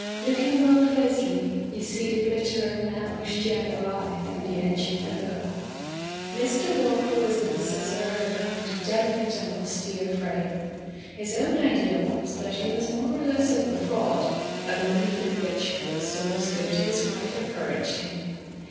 Looking more closely, you see the glitter of an am bushed yellow eye through the edge of the fur. [ 349 ] Digitized by LjOOQ IC Interventions Mr. Walker was the possessor of a kind of delicate and austere fame. His own idea was that he was more or less of a fraud, a belief in which, for his soul's good, his wife en couraged him.